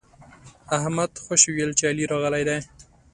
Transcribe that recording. احمد خوشي ويل چې علي راغلی دی.